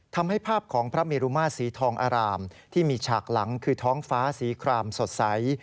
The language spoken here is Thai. ทำให้ภาพของพระเมรุมาตรสีทองอารามที่มีฉากหลังคือท้องฟ้าสีครามสดใส